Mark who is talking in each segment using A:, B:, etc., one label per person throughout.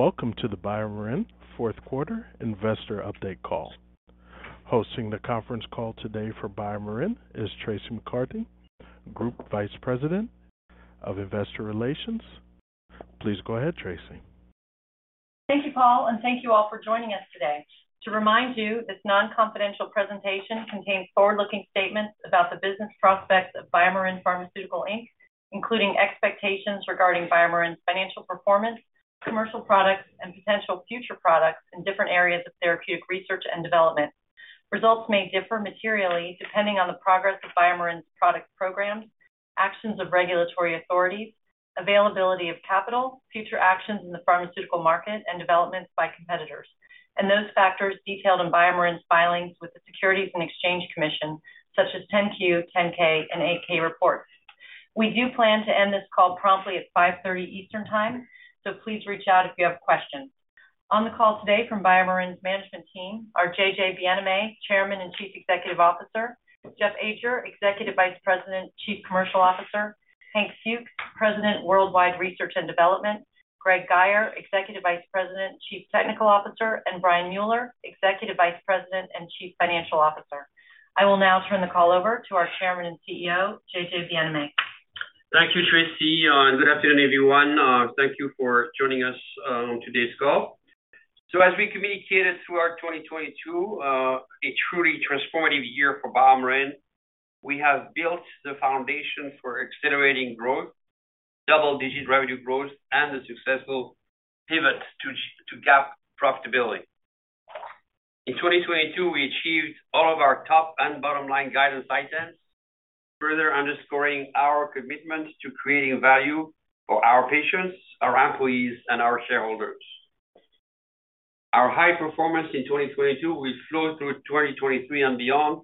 A: Welcome to the BioMarin fourth quarter investor update call. Hosting the conference call today for BioMarin is Traci McCarty, Group Vice President of Investor Relations. Please go ahead, Traci.
B: Thank you, Paul. Thank you all for joining us today. To remind you, this non-confidential presentation contains forward-looking statements about the business prospects of BioMarin Pharmaceutical Inc, including expectations regarding BioMarin's financial performance, commercial products, and potential future products in different areas of therapeutic research and development. Results may differ materially depending on the progress of BioMarin's product programs, actions of regulatory authorities, availability of capital, future actions in the pharmaceutical market, and developments by competitors, and those factors detailed in BioMarin's filings with the Securities and Exchange Commission such as 10-Q, 10-K, and 8-K reports. We do plan to end this call promptly at 5:30 P.M. Eastern time, so please reach out if you have questions. On the call today from BioMarin's management team are JJ Bienaimé, Chairman and Chief Executive Officer, Jeff Ajer, Executive Vice President, Chief Commercial Officer, Hank Fuchs, President, Worldwide Research and Development, Greg Guyer, Executive Vice President, Chief Technical Officer, and Brian Mueller, Executive Vice President and Chief Financial Officer. I will now turn the call over to our Chairman and CEO, JJ Bienaimé.
C: Thank you, Traci, good afternoon, everyone. Thank you for joining us on today's call. As we communicated through our 2022, a truly transformative year for BioMarin, we have built the foundation for accelerating growth, double-digit revenue growth, and a successful pivot to GAAP profitability. In 2022, we achieved all of our top and bottom-line guidance items, further underscoring our commitment to creating value for our patients, our employees, and our shareholders. Our high performance in 2022 will flow through 2023 and beyond,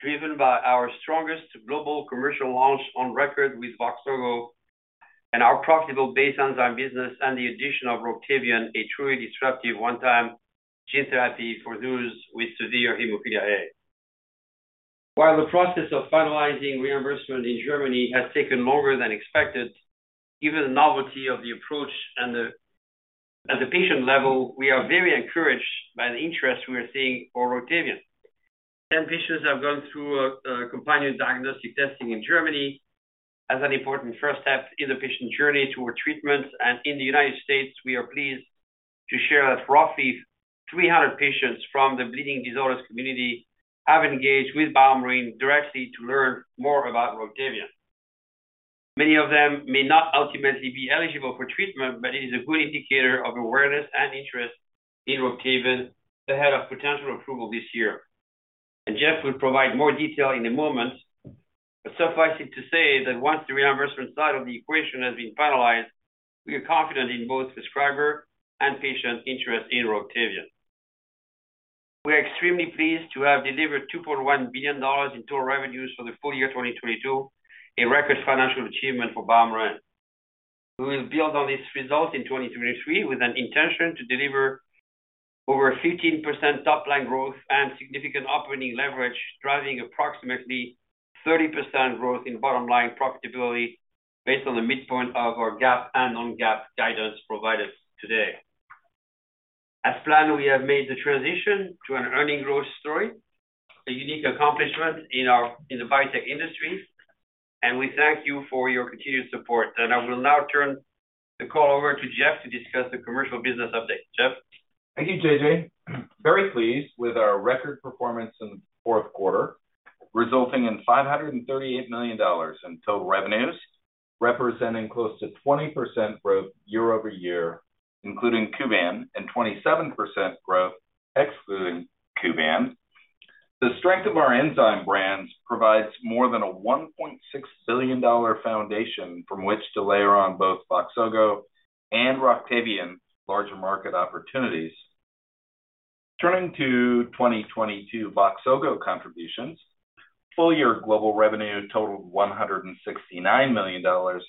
C: driven by our strongest global commercial launch on record with VOXZOGO and our profitable base enzyme business and the addition of ROCTAVIAN, a truly disruptive one-time gene therapy for those with severe hemophilia A. While the process of finalizing reimbursement in Germany has taken longer than expected, given the novelty of the approach and the... At the patient level, we are very encouraged by the interest we are seeing for ROCTAVIAN. 10 patients have gone through companion diagnostic testing in Germany as an important first step in the patient journey toward treatment. In the United States, we are pleased to share that roughly 300 patients from the bleeding disorders community have engaged with BioMarin directly to learn more about ROCTAVIAN. Many of them may not ultimately be eligible for treatment, but it is a good indicator of awareness and interest in ROCTAVIAN ahead of potential approval this year. Jeff will provide more detail in a moment, but suffice it to say that once the reimbursement side of the equation has been finalized, we are confident in both prescriber and patient interest in ROCTAVIAN. We are extremely pleased to have delivered $2.1 billion in total revenues for the full year 2022, a record financial achievement for BioMarin. We will build on this result in 2023 with an intention to deliver over 15% top-line growth and significant operating leverage, driving approximately 30% growth in bottom-line profitability based on the midpoint of our GAAP and non-GAAP guidance provided today. As planned, we have made the transition to an earning growth story, a unique accomplishment in the biotech industry, we thank you for your continued support. I will now turn the call over to Jeff to discuss the commercial business update. Jeff?
D: Thank you, JJ. Very pleased with our record performance in the fourth quarter, resulting in $538 million in total revenues, representing close to 20% growth year-over-year, including Kuvan, and 27% growth excluding Kuvan. The strength of our enzyme brands provides more than a $1.6 billion foundation from which to layer on both VOXZOGO and ROCTAVIAN larger market opportunities. Turning to 2022 VOXZOGO contributions, full year global revenue totaled $169 million,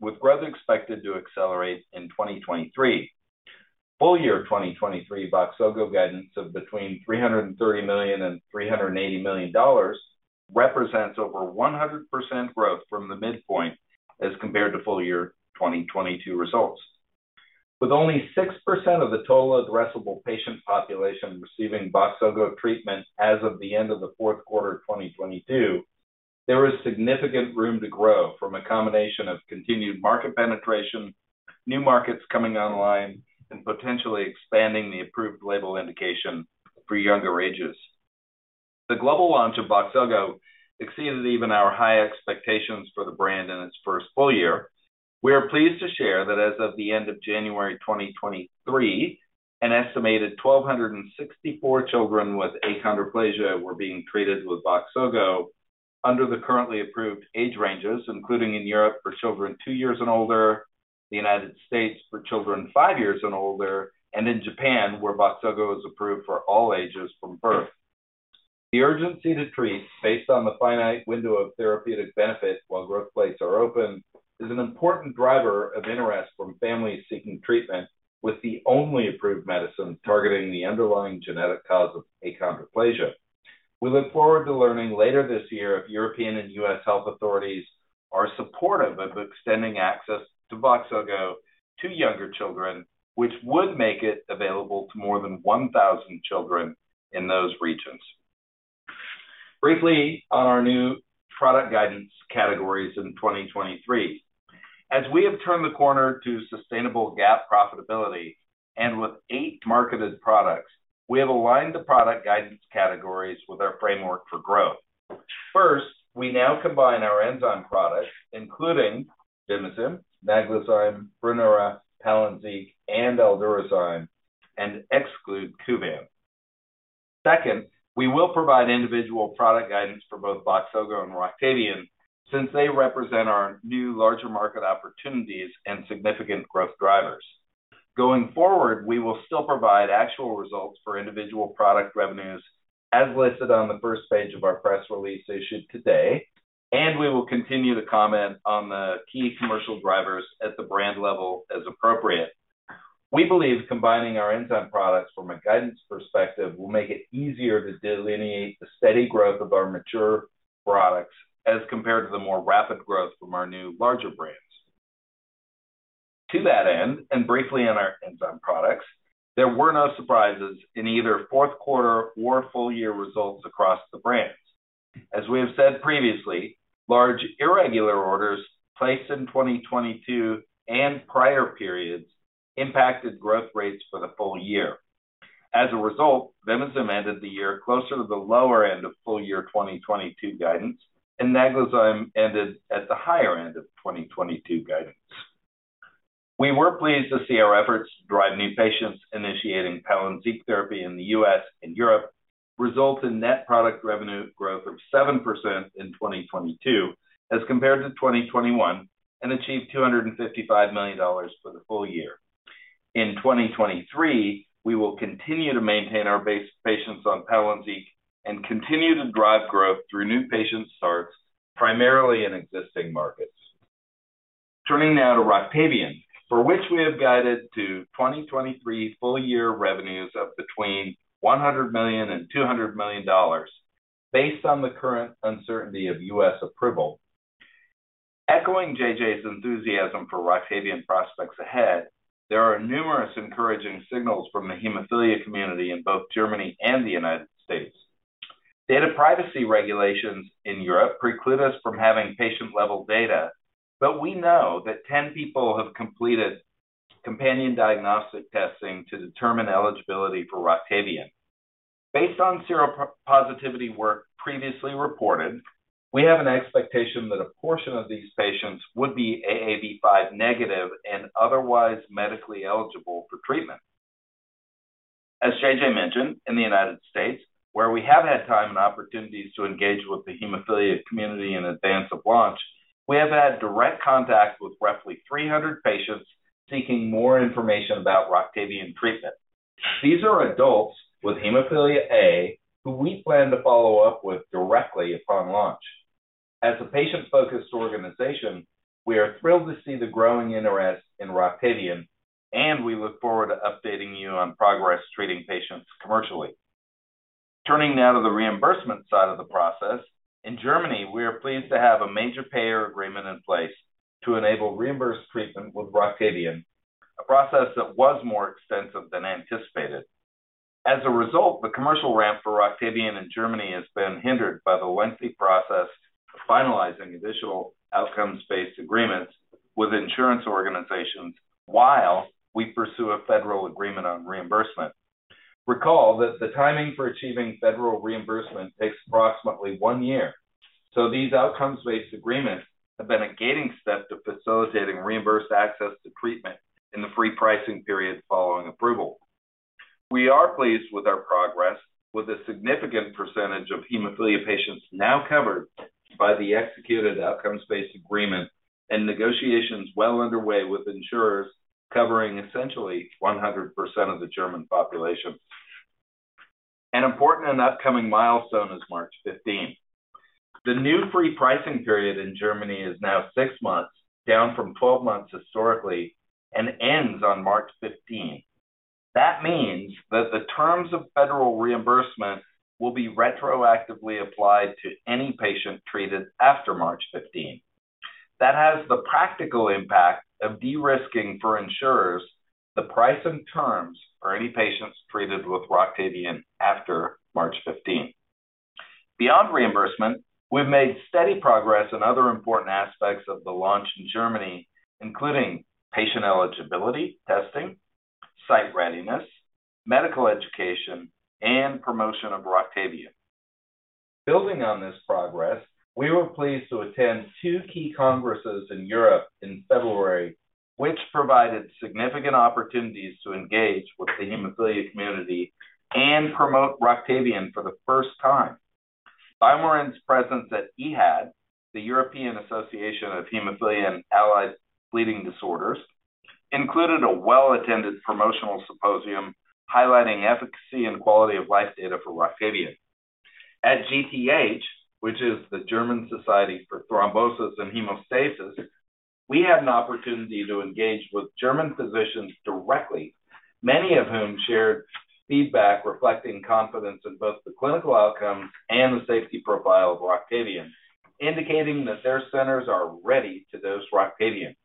D: with growth expected to accelerate in 2023. Full year 2023 VOXZOGO guidance of between $330 million and $380 million represents over 100% growth from the midpoint as compared to full year 2022 results. With only 6% of the total addressable patient population receiving VOXZOGO treatment as of the end of the fourth quarter of 2022, there is significant room to grow from a combination of continued market penetration, new markets coming online and potentially expanding the approved label indication for younger ages. The global launch of VOXZOGO exceeded even our high expectations for the brand in its first full year. We are pleased to share that as of the end of January 2023, an estimated 1,264 children with achondroplasia were being treated with VOXZOGO under the currently approved age ranges, including in Europe for children 2 years and older, the United States for children 5 years and older, and in Japan, where VOXZOGO is approved for all ages from birth. The urgency to treat based on the finite window of therapeutic benefit while growth plates are open, is an important driver of interest from families seeking treatment with the only approved medicine targeting the underlying genetic cause of achondroplasia. We look forward to learning later this year if European and U.S. health authorities are supportive of extending access to VOXZOGO to younger children, which would make it available to more than 1,000 children in those regions. Briefly on our new product guidance categories in 2023. As we have turned the corner to sustainable GAAP profitability and with eight marketed products, we have aligned the product guidance categories with our framework for growth. First, we now combine our enzyme products, including Vimizim, Naglazyme, Brineura, Palynziq, and Aldurazyme, and exclude Kuvan. Second, we will provide individual product guidance for both VOXZOGO and ROCTAVIAN since they represent our new larger market opportunities and significant growth drivers. Going forward, we will still provide actual results for individual product revenues as listed on the first page of our press release issued today, and we will continue to comment on the key commercial drivers at the brand level as appropriate. We believe combining our enzyme products from a guidance perspective will make it easier to delineate the steady growth of our mature products as compared to the more rapid growth from our new larger brands. To that end, and briefly on our enzyme products, there were no surprises in either fourth quarter or full year results across the brands. As we have said previously, large irregular orders placed in 2022 and prior periods impacted growth rates for the full year. As a result, Vimizim ended the year closer to the lower end of full year 2022 guidance, and Naglazyme ended at the higher end of 2022 guidance. We were pleased to see our efforts to drive new patients initiating Palynziq therapy in the U.S. and Europe result in net product revenue growth of 7% in 2022 as compared to 2021 and achieved $255 million for the full year. In 2023, we will continue to maintain our base patients on Palynziq and continue to drive growth through new patient starts, primarily in existing markets. Turning now to ROCTAVIAN, for which we have guided to 2023 full year revenues of between $100 million and $200 million based on the current uncertainty of U.S. approval. Echoing JJ's enthusiasm for ROCTAVIAN prospects ahead, there are numerous encouraging signals from the hemophilia community in both Germany and the United States. Data privacy regulations in Europe preclude us from having patient-level data. We know that 10 people have completed companion diagnostic testing to determine eligibility for ROCTAVIAN. Based on seropositivity work previously reported, we have an expectation that a portion of these patients would be AAV5 negative and otherwise medically eligible for treatment. As JJ mentioned, in the United States, where we have had time and opportunities to engage with the hemophilia community in advance of launch, we have had direct contact with roughly 300 patients seeking more information about ROCTAVIAN treatment. These are adults with hemophilia A who we plan to follow up with directly upon launch. As a patient-focused organization, we are thrilled to see the growing interest in ROCTAVIAN, and we look forward to updating you on progress treating patients commercially. Turning now to the reimbursement side of the process, in Germany, we are pleased to have a major payer agreement in place to enable reimbursed treatment with ROCTAVIAN, a process that was more extensive than anticipated. The commercial ramp for ROCTAVIAN in Germany has been hindered by the lengthy process of finalizing additional outcomes-based agreements with insurance organizations while we pursue a federal agreement on reimbursement. Recall that the timing for achieving federal reimbursement takes approximately 1 year. These outcomes-based agreements have been a gating step to facilitating reimbursed access to treatment in the free pricing period following approval. We are pleased with our progress with a significant percentage of hemophilia patients now covered by the executed outcomes-based agreement and negotiations well underway with insurers covering essentially 100% of the German population. An important and upcoming milestone is March 15. The new free pricing period in Germany is now 6 months, down from 12 months historically, and ends on March 15. That means that the terms of federal reimbursement will be retroactively applied to any patient treated after March 15. That has the practical impact of de-risking for insurers the price and terms for any patients treated with ROCTAVIAN after March 15. Beyond reimbursement, we've made steady progress on other important aspects of the launch in Germany, including patient eligibility testing, site readiness, medical education, and promotion of ROCTAVIAN. Building on this progress, we were pleased to attend two key congresses in Europe in February, which provided significant opportunities to engage with the hemophilia community and promote ROCTAVIAN for the first time. BioMarin's presence at EAHAD, the European Association of Haemophilia and Allied Bleeding Disorders, included a well-attended promotional symposium highlighting efficacy and quality of life data for ROCTAVIAN. At GTH, which is the German Society for Thrombosis and Haemostasis. We had an opportunity to engage with German physicians directly, many of whom shared feedback reflecting confidence in both the clinical outcome and the safety profile of ROCTAVIAN, indicating that their centers are ready to dose ROCTAVIAN.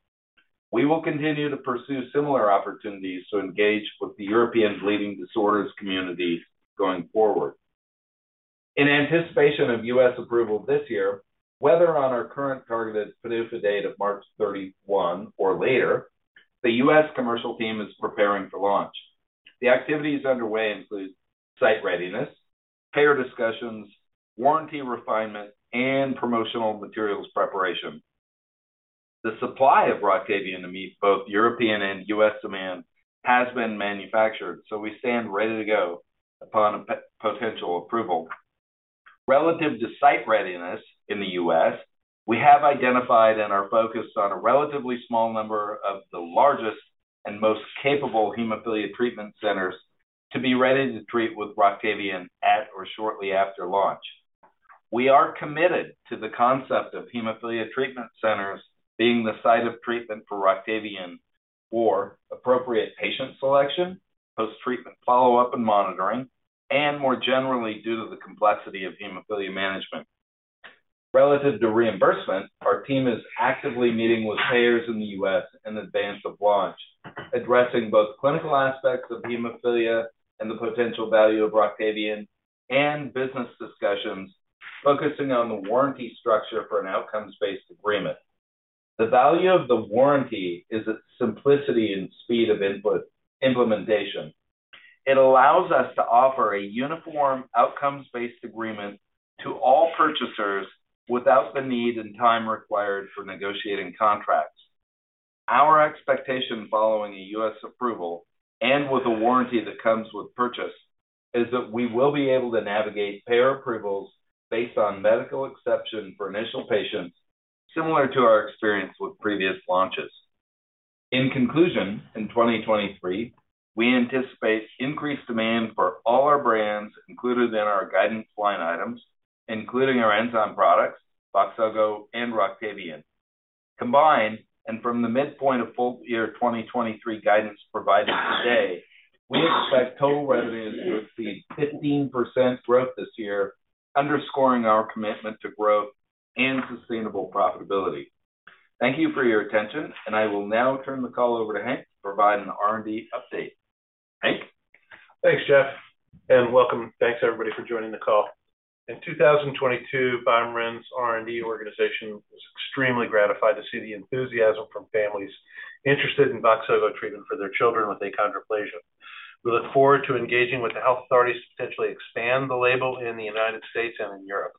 D: We will continue to pursue similar opportunities to engage with the European bleeding disorders communities going forward. In anticipation of U.S. approval this year, whether on our current targeted PDUFA date of March 31 or later, the U.S. commercial team is preparing for launch. The activities underway include site readiness, payer discussions, warranty refinement, and promotional materials preparation. The supply of ROCTAVIAN to meet both European and U.S. demand has been manufactured, so we stand ready to go upon a potential approval. Relative to site readiness in the U.S., we have identified and are focused on a relatively small number of the largest and most capable hemophilia treatment centers to be ready to treat with ROCTAVIAN at or shortly after launch. We are committed to the concept of hemophilia treatment centers being the site of treatment for ROCTAVIAN for appropriate patient selection, post-treatment follow-up and monitoring, and more generally due to the complexity of hemophilia management. Relative to reimbursement, our team is actively meeting with payers in the U.S. in advance of launch, addressing both clinical aspects of hemophilia and the potential value of ROCTAVIAN and business discussions focusing on the warranty structure for an outcomes-based agreement. The value of the warranty is its simplicity and speed of implementation. It allows us to offer a uniform outcomes-based agreement to all purchasers without the need and time required for negotiating contracts. Our expectation following a U.S. approval and with a warranty that comes with purchase is that we will be able to navigate payer approvals based on medical exception for initial patients, similar to our experience with previous launches. In conclusion, in 2023, we anticipate increased demand for all our brands included in our guidance line items, including our enzyme products, VOXZOGO and ROCTAVIAN. Combined, from the midpoint of full year 2023 guidance provided today, we expect total revenues to exceed 15% growth this year, underscoring our commitment to growth and sustainable profitability. Thank you for your attention, and I will now turn the call over to Hank to provide an R&D update. Hank?
E: Thanks, Jeff, and welcome. Thanks everybody for joining the call. In 2022, BioMarin's R&D organization was extremely gratified to see the enthusiasm from families interested in VOXZOGO treatment for their children with achondroplasia. We look forward to engaging with the health authorities to potentially expand the label in the United States and in Europe.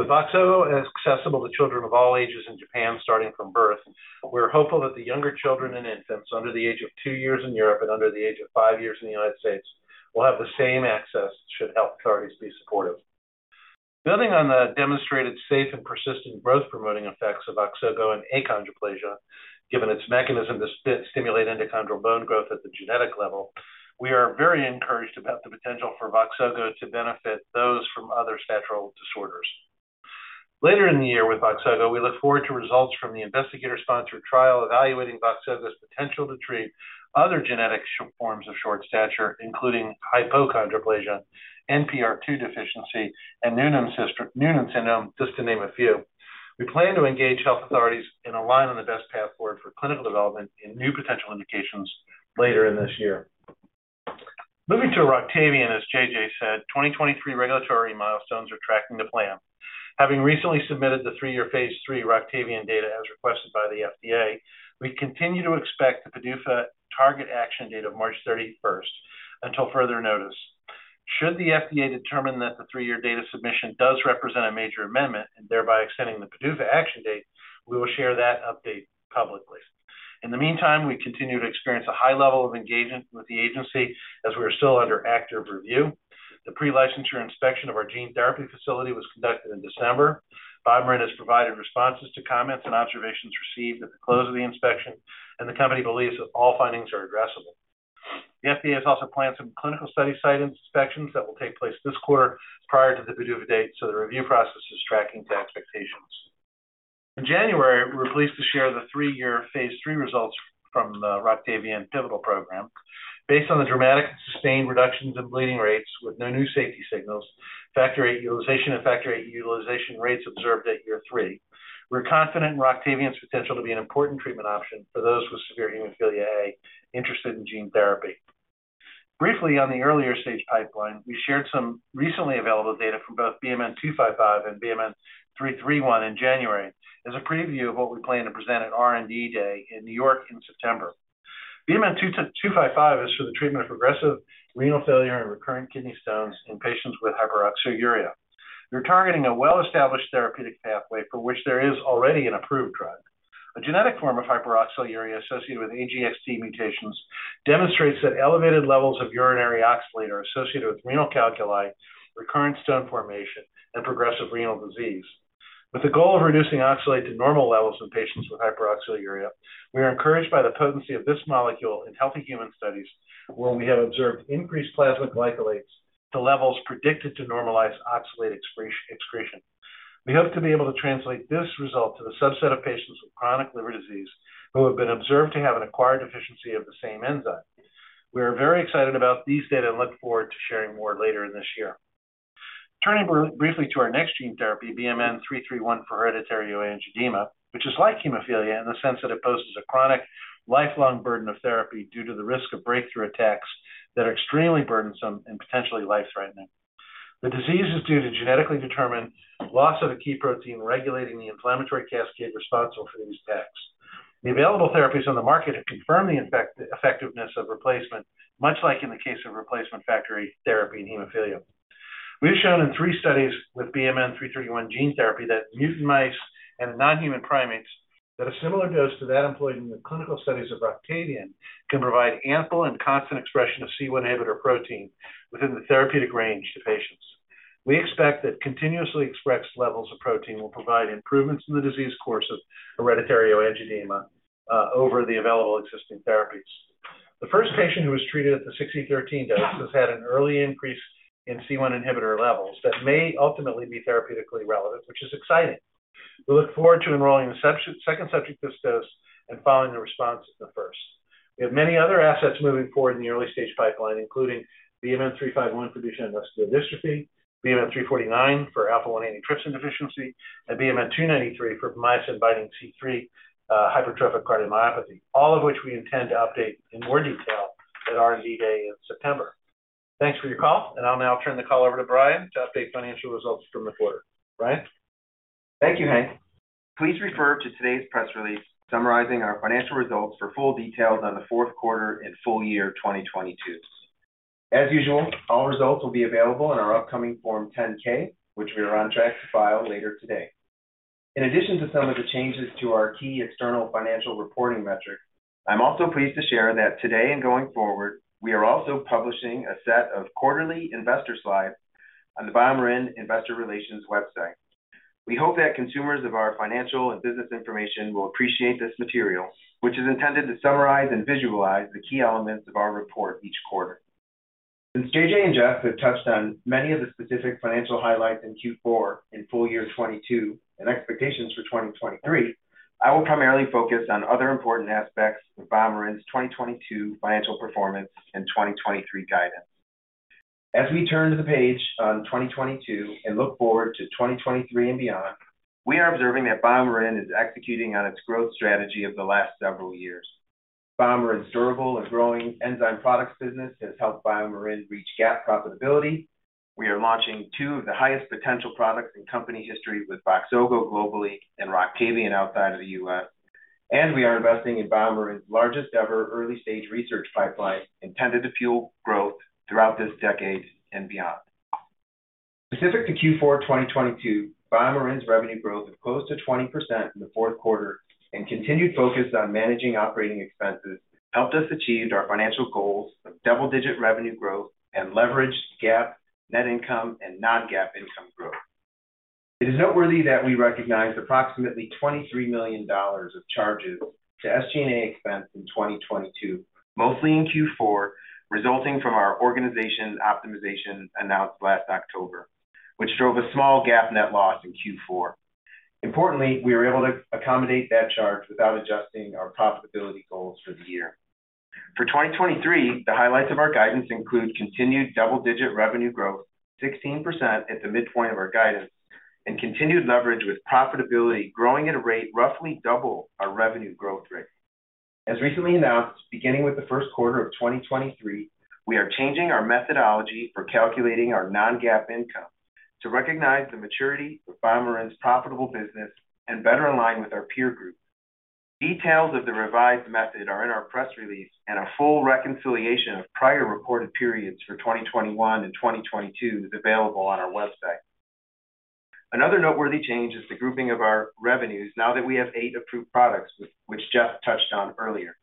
E: With VOXZOGO accessible to children of all ages in Japan, starting from birth, we're hopeful that the younger children and infants under the age of two years in Europe and under the age of five years in the United States will have the same access should health authorities be supportive. Building on the demonstrated safe and persistent growth-promoting effects of VOXZOGO in achondroplasia, given its mechanism to stimulate endochondral bone growth at the genetic level, we are very encouraged about the potential for VOXZOGO to benefit those from other statural disorders. Later in the year with VOXZOGO, we look forward to results from the investigator-sponsored trial evaluating VOXZOGO's potential to treat other genetic forms of short stature, including hypochondroplasia, NPR2 deficiency, and Noonan syndrome, just to name a few. We plan to engage health authorities and align on the best path forward for clinical development in new potential indications later in this year. Moving to ROCTAVIAN, as J.J. said, 2023 regulatory milestones are tracking to plan. Having recently submitted the three-year phase III ROCTAVIAN data as requested by the FDA, we continue to expect the PDUFA target action date of March 31st until further notice. Should the FDA determine that the three-year data submission does represent a major amendment and thereby extending the PDUFA action date, we will share that update publicly. In the meantime, we continue to experience a high level of engagement with the agency as we are still under active review. The pre-licensure inspection of our gene therapy facility was conducted in December. BioMarin has provided responses to comments and observations received at the close of the inspection, and the company believes that all findings are addressable. The FDA has also planned some clinical study site inspections that will take place this quarter prior to the PDUFA date. The review process is tracking to expectations. In January, we're pleased to share the three-year phase III results from the ROCTAVIAN pivotal program. Based on the dramatic and sustained reductions in bleeding rates with no new safety signals, Factor VIII utilization and Factor VIII utilization rates observed at year three, we're confident in ROCTAVIAN's potential to be an important treatment option for those with severe hemophilia A interested in gene therapy. Briefly on the earlier stage pipeline, we shared some recently available data from both BMN 255 and BMN 331 in January as a preview of what we plan to present at R&D Day in New York in September. BMN 255 is for the treatment of progressive renal failure and recurrent kidney stones in patients with hyperoxaluria. We're targeting a well-established therapeutic pathway for which there is already an approved drug. A genetic form of hyperoxaluria associated with AGXT mutations demonstrates that elevated levels of urinary oxalate are associated with renal calculi, recurrent stone formation, and progressive renal disease. With the goal of reducing oxalate to normal levels in patients with hyperoxaluria. We are encouraged by the potency of this molecule in healthy human studies where we have observed increased plasma glycolates to levels predicted to normalize oxalate excretion. We hope to be able to translate this result to the subset of patients with chronic liver disease who have been observed to have an acquired deficiency of the same enzyme. We are very excited about these data and look forward to sharing more later in this year. Turning briefly to our next gene therapy, BMN 331 for hereditary angioedema, which is like hemophilia in the sense that it poses a chronic lifelong burden of therapy due to the risk of breakthrough attacks that are extremely burdensome and potentially life-threatening. The disease is due to genetically determined loss of a key protein regulating the inflammatory cascade responsible for these attacks. The available therapies on the market have confirmed the effectiveness of replacement, much like in the case of replacement factory therapy in hemophilia. We've shown in three studies with BMN 331 gene therapy that mutant mice and in non-human primates that a similar dose to that employed in the clinical studies of ROCTAVIAN can provide ample and constant expression of C1 inhibitor protein within the therapeutic range to patients. We expect that continuously expressed levels of protein will provide improvements in the disease course of hereditary angioedema over the available existing therapies. The first patient who was treated at the 6e13 dose has had an early increase in C1 inhibitor levels that may ultimately be therapeutically relevant, which is exciting. We look forward to enrolling the second subject this dose and following the response of the first. We have many other assets moving forward in the early stage pipeline, including BMN 351 for Duchenne muscular dystrophy, BMN 349 for alpha-1 antitrypsin deficiency, BMN 293 for myosin-binding protein C3 hypertrophic cardiomyopathy, all of which we intend to update in more detail at our V Day in September. Thanks for your call. I'll now turn the call over to Brian to update financial results from the quarter. Brian?
F: Thank you, Hank. Please refer to today's press release summarizing our financial results for full details on the fourth quarter and full year 2022. All results will be available in our upcoming Form 10-K, which we are on track to file later today. In addition to some of the changes to our key external financial reporting metrics, I'm also pleased to share that today and going forward, we are also publishing a set of quarterly investor slides on the BioMarin investor relations website. We hope that consumers of our financial and business information will appreciate this material, which is intended to summarize and visualize the key elements of our report each quarter. Since JJ and Jeff have touched on many of the specific financial highlights in Q4 and full year 2022 and expectations for 2023, I will primarily focus on other important aspects of BioMarin's 2022 financial performance and 2023 guidance. As we turn to the page on 2022 and look forward to 2023 and beyond, we are observing that BioMarin is executing on its growth strategy of the last several years. BioMarin's durable and growing enzyme products business has helped BioMarin reach GAAP profitability. We are launching two of the highest potential products in company history with VOXZOGO globally and ROCTAVIAN outside of the U.S. We are investing in BioMarin's largest-ever early-stage research pipeline intended to fuel growth throughout this decade and beyond. Specific to Q4 of 2022, BioMarin's revenue growth of close to 20% in the fourth quarter and continued focus on managing operating expenses helped us achieve our financial goals of double-digit revenue growth and leveraged GAAP net income and non-GAAP income growth. It is noteworthy that we recognized approximately $23 million of charges to SG&A expense in 2022, mostly in Q4, resulting from our organization's optimization announced last October, which drove a small GAAP net loss in Q4. Importantly, we were able to accommodate that charge without adjusting our profitability goals for the year. For 2023, the highlights of our guidance include continued double-digit revenue growth, 16% at the midpoint of our guidance, and continued leverage with profitability growing at a rate roughly double our revenue growth rate. As recently announced, beginning with the first quarter of 2023, we are changing our methodology for calculating our Non-GAAP income to recognize the maturity of BioMarin's profitable business and better align with our peer group. Details of the revised method are in our press release, and a full reconciliation of prior reported periods for 2021 and 2022 is available on our website. Another noteworthy change is the grouping of our revenues now that we have eight approved products, which Jeff touched on earlier.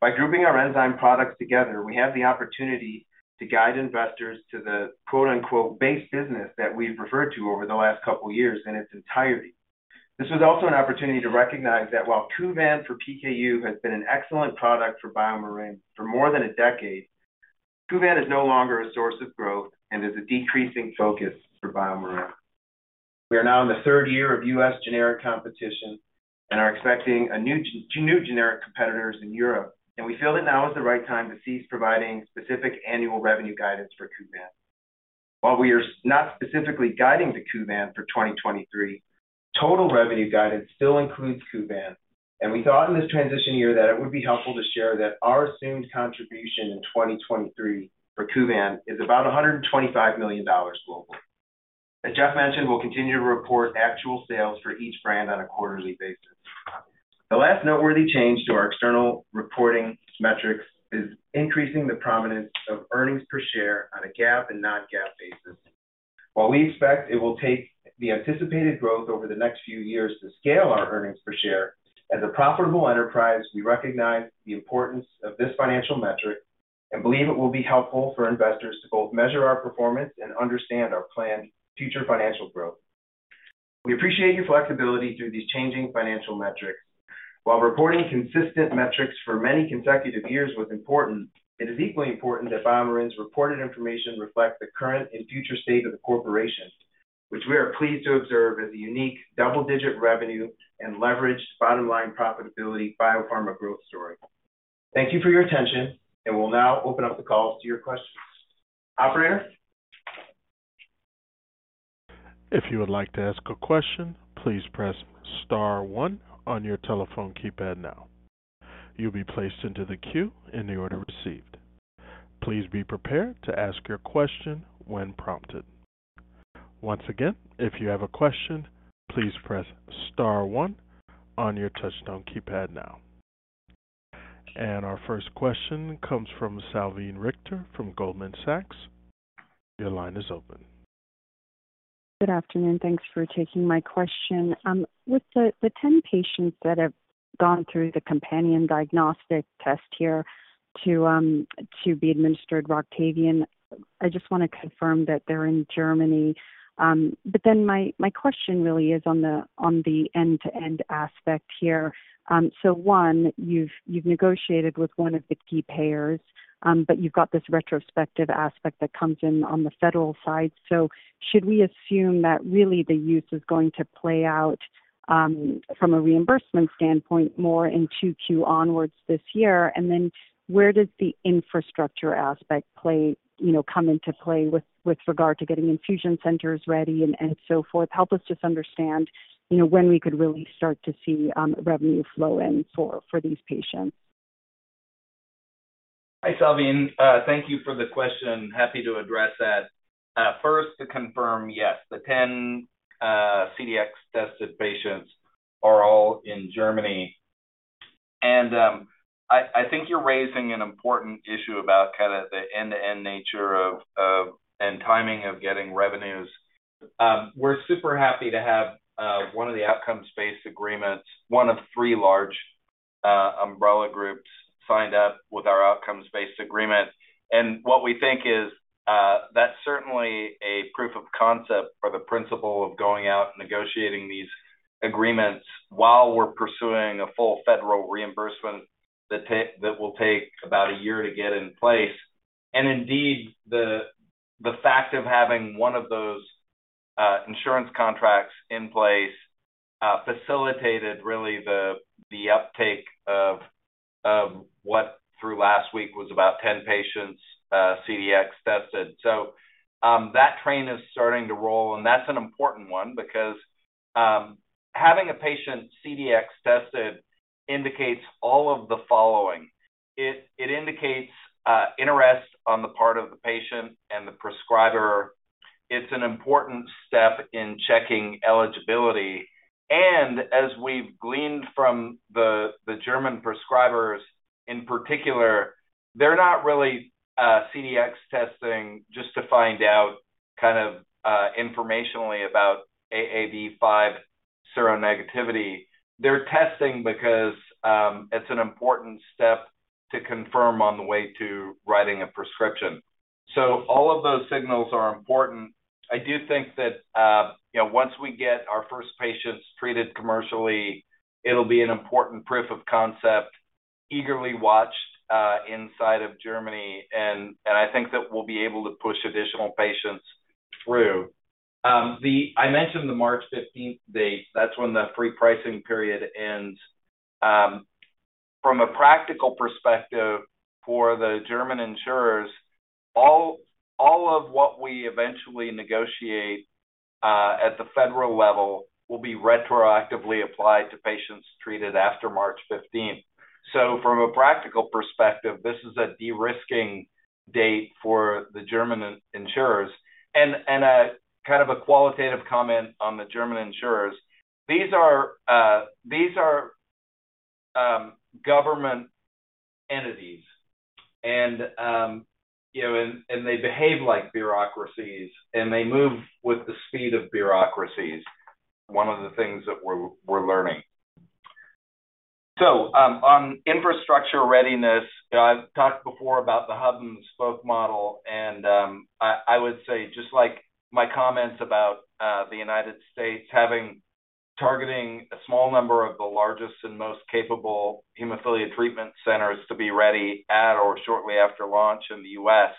F: By grouping our enzyme products together, we have the opportunity to guide investors to the quote-unquote "base business" that we've referred to over the last couple of years in its entirety. This was also an opportunity to recognize that while Kuvan for PKU has been an excellent product for BioMarin for more than a decade, Kuvan is no longer a source of growth and is a decreasing focus for BioMarin. We are now in the third year of U.S. generic competition and are expecting two new generic competitors in Europe, and we feel that now is the right time to cease providing specific annual revenue guidance for Kuvan. While we are not specifically guiding to Kuvan for 2023, total revenue guidance still includes Kuvan, and we thought in this transition year that it would be helpful to share that our assumed contribution in 2023 for Kuvan is about $125 million globally. As Jeff mentioned, we'll continue to report actual sales for each brand on a quarterly basis. The last noteworthy change to our external reporting metrics is increasing the prominence of earnings per share on a GAAP and Non-GAAP basis. While we expect it will take the anticipated growth over the next few years to scale our earnings per share, as a profitable enterprise, we recognize the importance of this financial metric and believe it will be helpful for investors to both measure our performance and understand our planned future financial growth.
D: We appreciate your flexibility through these changing financial metrics. While reporting consistent metrics for many consecutive years was important, it is equally important that BioMarin's reported information reflects the current and future state of the corporation, which we are pleased to observe as a unique double-digit revenue and leveraged bottom-line profitability biopharma growth story. Thank you for your attention, and we'll now open up the calls to your questions. Operator?
A: If you would like to ask a question, please press star one on your telephone keypad now. You'll be placed into the queue in the order received. Please be prepared to ask your question when prompted. Once again, if you have a question, please press star one on your touchtone keypad now. Our first question comes from Salveen Richter from Goldman Sachs. Your line is open.
G: Good afternoon. Thanks for taking my question. With the 10 patients that have gone through the companion diagnostic test here to be administered ROCTAVIAN, I just want to confirm that they're in Germany. My question really is on the end-to-end aspect here. One, you've negotiated with one of the key payers, but you've got this retrospective aspect that comes in on the federal side. Should we assume that really the use is going to play out from a reimbursement standpoint more in 2Q onwards this year? Where does the infrastructure aspect come into play with regard to getting infusion centers ready and so forth? Help us just understand, you know, when we could really start to see revenue flow in for these patients.
D: Hi, Salveen. Thank you for the question. Happy to address that. First to confirm, yes, the 10 CDx-tested patients are all in Germany. I think you're raising an important issue about kind of the end-to-end nature of and timing of getting revenues. We're super happy to have one of the outcomes-based agreements, one of 3 large umbrella groups signed up with our outcomes-based agreement. What we think is that's certainly a proof of concept for the principle of going out and negotiating these agreements while we're pursuing a full federal reimbursement that will take about 1 year to get in place. Indeed, the fact of having one of those insurance contracts in place facilitated really the uptake of what through last week was about 10 patients, CDx tested. That train is starting to roll, and that's an important one because having a patient CDx tested indicates all of the following. It indicates interest on the part of the patient and the prescriber. It's an important step in checking eligibility. As we've gleaned from the German prescribers in particular, they're not really CDx testing just to find out kind of informationally about AAV5 seronegativity. They're testing because it's an important step to confirm on the way to writing a prescription. All of those signals are important. I do think that, you know, once we get our first patients treated commercially, it'll be an important proof of concept eagerly watched inside of Germany. And I think that we'll be able to push additional patients through. I mentioned the March 15th date. That's when the free pricing period ends. From a practical perspective for the German insurers, all of what we eventually negotiate at the federal level will be retroactively applied to patients treated after March 15th. From a practical perspective, this is a de-risking date for the German insurers. Kind of a qualitative comment on the German insurers. These are government entities and, you know, and they behave like bureaucracies, and they move with the speed of bureaucracies. One of the things that we're learning. On infrastructure readiness, I've talked before about the hub-and-spoke model and I would say just like my comments about the United States targeting a small number of the largest and most capable hemophilia treatment centers to be ready at or shortly after launch in the U.S.,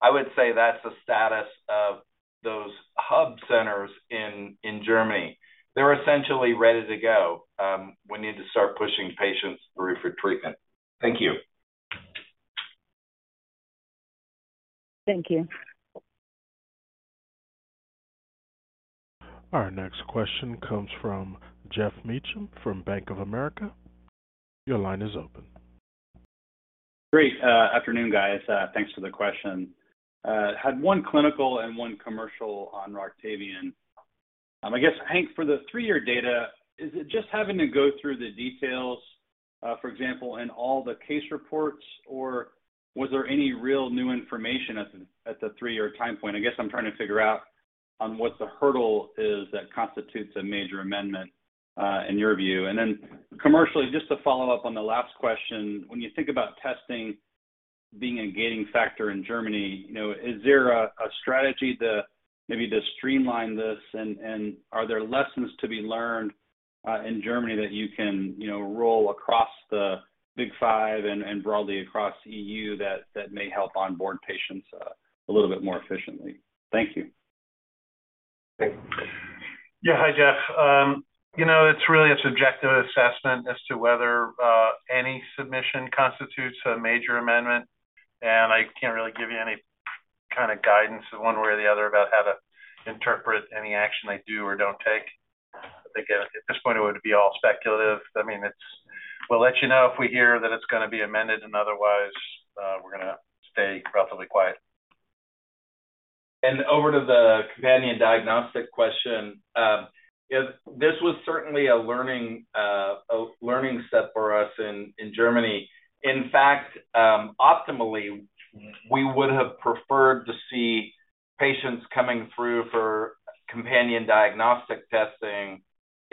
D: I would say that's the status of those hub centers in Germany. They're essentially ready to go. We need to start pushing patients through for treatment. Thank you.
G: Thank you.
A: Our next question comes from Geoff Meacham from Bank of America. Your line is open.
H: Great. Afternoon, guys. Thanks for the question. Had one clinical and one commercial on ROCTAVIAN. I guess, Hank, for the three-year data, is it just having to go through the details, for example, in all the case reports, or was there any real new information at the three-year time point? I guess I'm trying to figure out what the hurdle is that constitutes a major amendment in your view. Commercially, just to follow up on the last question, when you think about testing being a gating factor in Germany, you know, is there a strategy to streamline this? Are there lessons to be learned in Germany that you can, you know, roll across the big five and broadly across EU that may help onboard patients a little bit more efficiently? Thank you.
C: Yeah. Hi, Geoff. you know, it's really a subjective assessment as to whether any submission constitutes a major amendment, I can't really give you any kind of guidance one way or the other about how to interpret any action they do or don't take. I think at this point it would be all speculative. I mean, We'll let you know if we hear that it's gonna be amended, otherwise, we're gonna stay relatively quiet.
D: anion diagnostic question. This was certainly a learning, a learning set for us in Germany. In fact, optimally we would have preferred to see patients coming through for companion diagnostic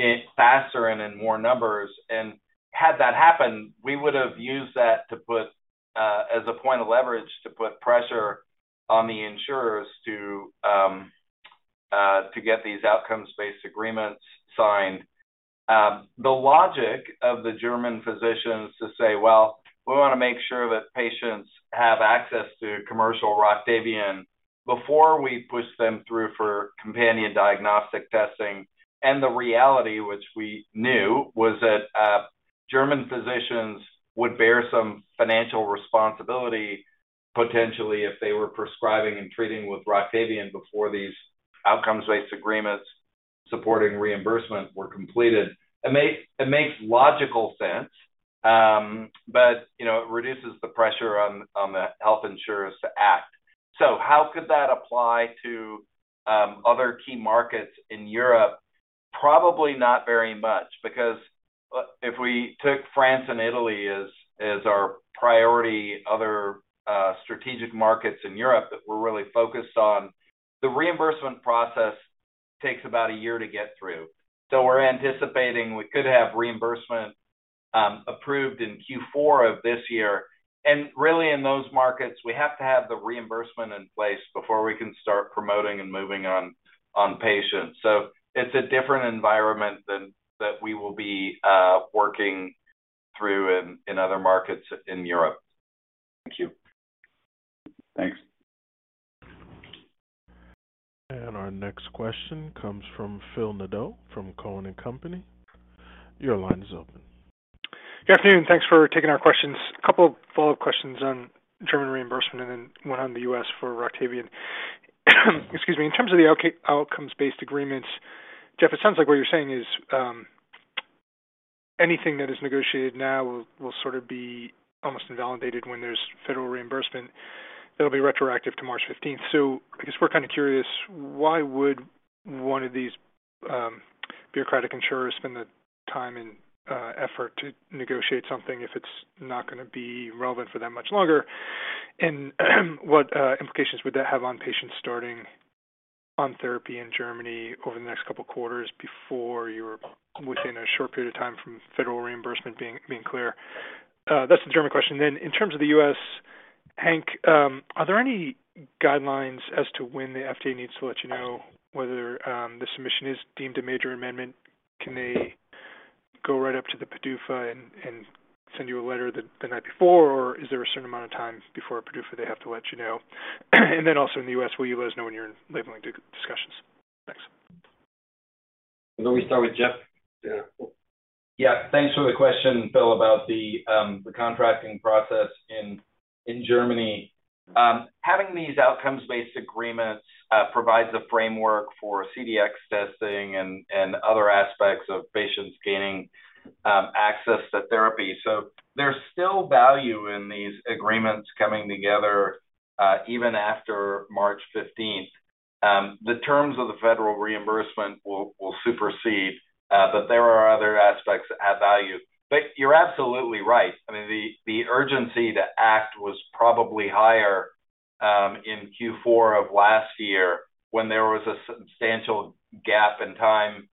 D: testing faster and in more numbers. Had that happened, we would have used that to put as a point of leverage to put pressure on the insurers to get these outcomes-based agreements signed. The logic of the German physicians to say, "Well, we want to make sure that patients have access to commercial ROCTAVIAN before we push them through for companion diagnostic testing." And the reality, which we knew, was that German physicians would bear some financial responsibility, potentially if they were prescribing and treating with ROCTAVIAN before these outcomes-based agreements supporting reimbursement were completed. It makes logical sense, you know, but it reduces the pressure on the health insurers to act. How could that apply to other key markets in Europe? Probably not very much, because if we took France and Italy as our priority other strategic markets in Europe that we're really focused on, the reimbursement process takes about a year to get through. We're anticipating we could have reimbursement approved in Q4 of this year. Really, in those markets, we have to have the reimbursement in place before we can start promoting and moving on patients. It's a different environment that we will be working through in other markets in Europe.
H: Thank you.
C: Thanks.
A: Our next question comes from Phil Nadeau from Cowen and Company. Your line is open.
I: Good afternoon. Thanks for taking our questions. A couple of follow-up questions on German reimbursement and then one on the U.S. for ROCTAVIAN. Excuse me. In terms of the outcomes-based agreements, Jeff, it sounds like what you're saying is, anything that is negotiated now will sort of be almost invalidated when there's federal reimbursement that'll be retroactive to March 15th. I guess we're kind of curious, why would one of these bureaucratic insurers spend the time and effort to negotiate something if it's not gonna be relevant for that much longer? What implications would that have on patients starting on therapy in Germany over the next couple quarters before you're within a short period of time from federal reimbursement being clear? That's the German question. In terms of the U.S, Hank, are there any guidelines as to when the FDA needs to let you know whether the submission is deemed a major amendment? Can they go right up to the PDUFA and send you a letter the night before, or is there a certain amount of time before PDUFA they have to let you know? And then also in the U.S, will you let us know when you're in labeling discussions? Thanks.
D: Why don't we start with Jeff?
C: Yeah.
D: Yeah. Thanks for the question, Phil, about the contracting process in Germany. Having these outcomes-based agreements provides a framework for CDx testing and other aspects of patients gaining access to therapy. There's still value in these agreements coming together even after March fifteenth. The terms of the federal reimbursement will supersede, but there are other aspects that add value. You're absolutely right. I mean, the urgency to act was probably higher in Q4 of last year when there was a substantial gap in time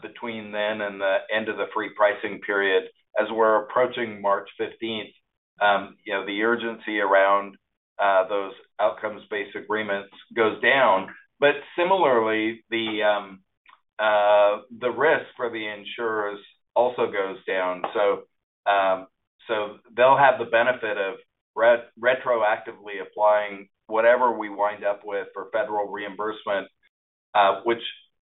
D: between then and the end of the free pricing period. As we're approaching March fifteenth, you know, the urgency around those outcomes-based agreements goes down. Similarly, the risk for the insurers also goes down. They'll have the benefit of retroactively applying whatever we wind up with for federal reimbursement, which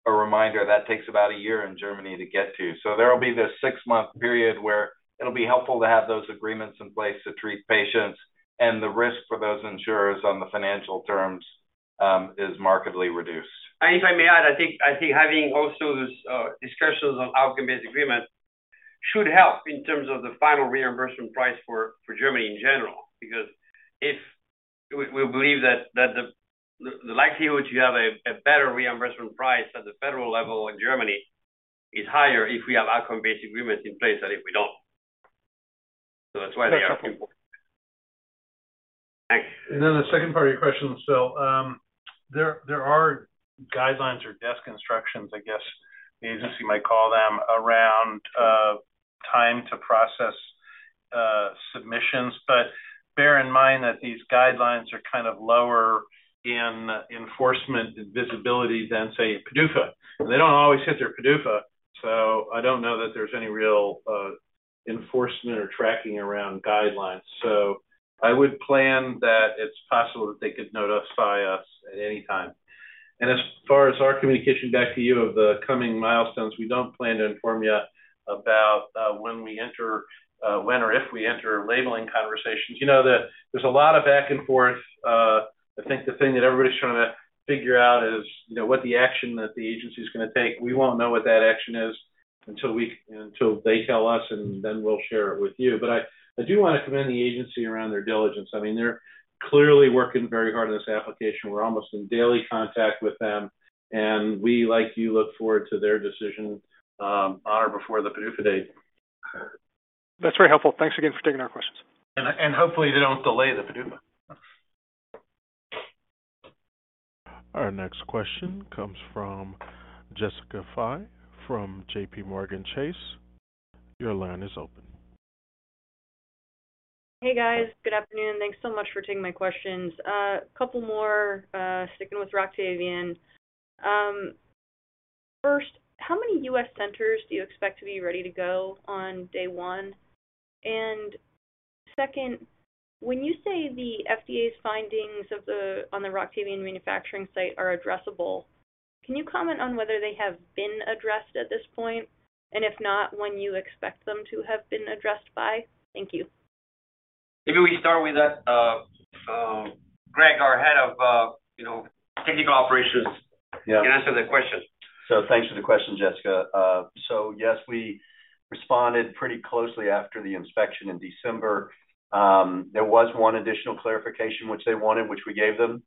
D: a reminder, that takes about one year in Germany to get to. There will be this 6-month period where it'll be helpful to have those agreements in place to treat patients, and the risk for those insurers on the financial terms is markedly reduced.
C: If I may add, I think having also this discussions on outcome-based agreement should help in terms of the final reimbursement price for Germany in general. If we believe that the likelihood you have a better reimbursement price at the federal level in Germany is higher if we have outcome-based agreements in place than if we don't. That's why they are important.
I: Thanks.
C: The second part of your question, Phil.
J: There are guidelines or desk instructions, I guess the agency might call them, around time to process submissions. Bear in mind that these guidelines are kind of lower in enforcement and visibility than, say, PDUFA. They don't always hit their PDUFA, so I don't know that there's any real enforcement or tracking around guidelines. I would plan that it's possible that they could notify us at any time. As far as our communication back to you of the coming milestones, we don't plan to inform you about when we enter when or if we enter labeling conversations. You know that there's a lot of back and forth. I think the thing that everybody's trying to figure out is, you know, what the action that the agency is gonna take. We won't know what that action is until they tell us, and then we'll share it with you. I do want to commend the agency around their diligence. I mean, they're clearly working very hard on this application. We're almost in daily contact with them, and we, like you, look forward to their decision on or before the PDUFA date.
I: That's very helpful. Thanks again for taking our questions.
J: Hopefully they don't delay the PDUFA.
A: Our next question comes from Jessica Fye from JPMorgan. Your line is open.
K: Hey, guys. Good afternoon. Thanks so much for taking my questions. A couple more, sticking with ROCTAVIAN. First, how many U.S. centers do you expect to be ready to go on day one? Second, when you say the FDA's findings on the ROCTAVIAN manufacturing site are addressable, can you comment on whether they have been addressed at this point? If not, when you expect them to have been addressed by? Thank you.
C: Maybe we start with that. Greg, our head of, you know, technical operations-
J: Yeah.
C: can answer the question.
J: Thanks for the question, Jessica. Yes, we responded pretty closely after the inspection in December. There was one additional clarification which they wanted, which we gave them.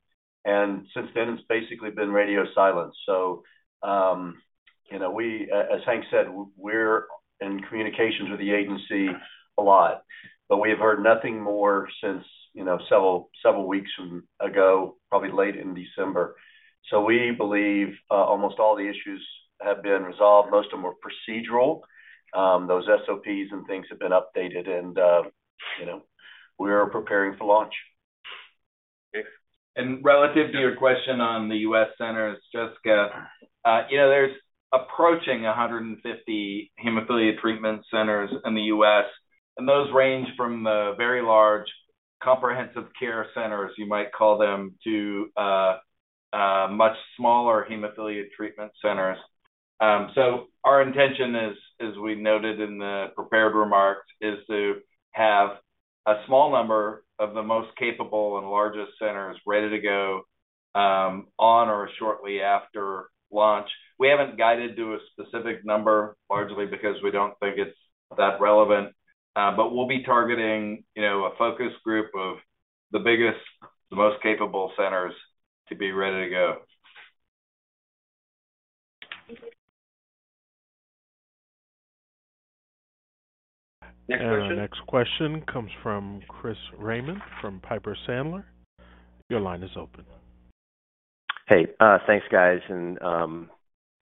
J: Since then, it's basically been radio silence. You know, as Hank said, we're in communications with the agency a lot, but we have heard nothing more since, you know, several weeks ago, probably late in December. We believe, almost all the issues have been resolved. Most of them were procedural. Those SOPs and things have been updated and, you know, we are preparing for launch.
C: Thanks.
J: Relative to your question on the U.S. centers, Jessica, you know, there's approaching 150 hemophilia treatment centers in the U.S., and those range from the very large comprehensive care centers, you might call them, to much smaller hemophilia treatment centers. Our intention is, as we noted in the prepared remarks, to have a small number of the most capable and largest centers ready to go on or shortly after launch. We haven't guided to a specific number, largely because we don't think it's that relevant. We'll be targeting, you know, a focus group of the biggest, the most capable centers to be ready to go.
K: Thank you.
A: Our next question comes from Chris Raymond from Piper Sandler. Your line is open.
L: Hey. Thanks, guys.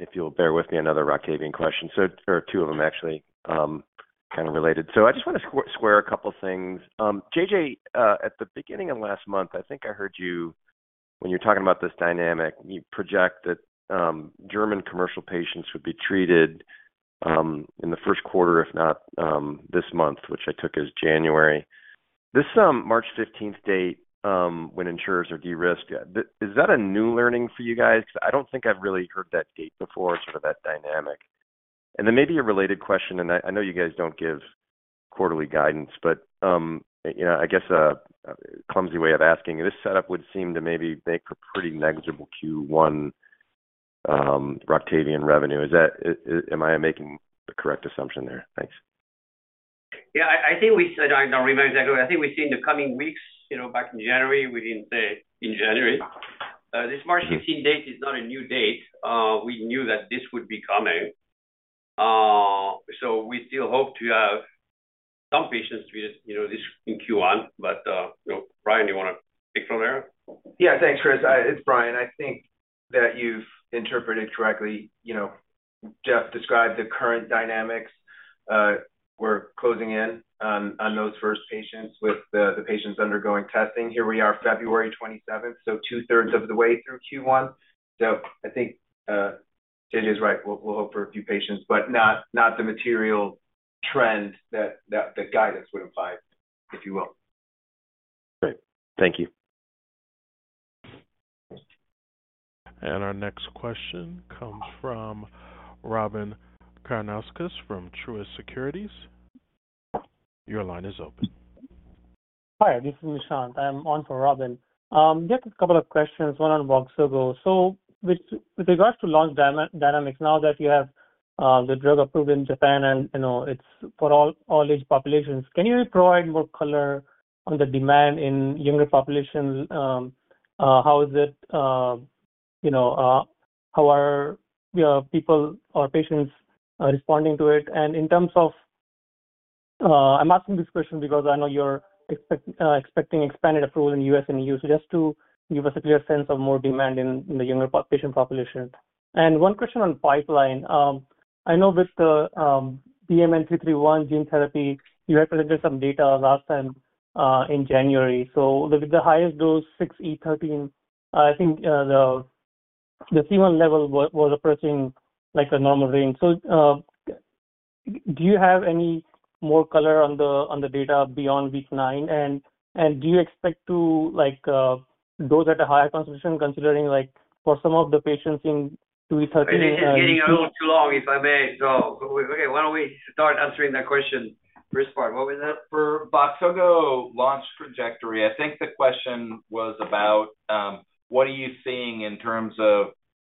L: If you'll bear with me, another ROCTAVIAN question, or two of them actually, kind of related. I just want to square a couple of things. J.J., at the beginning of last month, I think I heard you when you were talking about this dynamic, you project that German commercial patients would be treated in the first quarter, if not this month, which I took as January. This March 15th date, when insurers are de-risked, is that a new learning for you guys? I don't think I've really heard that date before, sort of that dynamic. Maybe a related question, and I know you guys don't give quarterly guidance, but, you know, I guess a clumsy way of asking, this setup would seem to maybe make for pretty negligible Q1 ROCTAVIAN revenue. Am I making the correct assumption there? Thanks.
C: Yeah, I don't remember exactly, but I think we said in the coming weeks. You know, back in January, we didn't say in January. This March 15th date is not a new date. We still hope to have some patients treated, you know, this in Q1. You know, Brian, you want to take from there?
J: Thanks, Chris. It's Brian. I think that you've interpreted correctly. You know, Jeff described the current dynamics. We're closing in on those first patients with the patients undergoing testing. Here we are February 27th, so 2/3 of the way through Q1. I think J.J.'s right. We'll hope for a few patients, but not the material trend that the guidance would imply, if you will.
L: Great. Thank you.
A: Our next question comes from Robyn Karnauskas from Truist Securities. Your line is open.
M: Hi, this is Nishant. I'm on for Robyn. Just a couple of questions, one on VOXZOGO. With regards to launch dynamics, now that you have the drug approved in Japan and, you know, it's for all these populations, can you provide more color on the demand in younger population? How is it, you know, how are, you know, people or patients responding to it? In terms of, I'm asking this question because I know you're expecting expanded approval in U.S. and EU. Just to give us a clear sense of more demand in the younger patient population. One question on pipeline. I know with the BMN 331 gene therapy, you represented some data last time in January. With the highest dose, 6e13, I think, the C1 level was approaching like a normal range. Do you have any more color on the data beyond week 9? Do you expect to like, those at a higher concentration considering like for some of the patients in 2330.
C: This is getting a little too long, if I may. Okay, why don't we start answering that question? First part, what was that?
D: For VOXZOGO launch trajectory, I think the question was about what are you seeing in terms of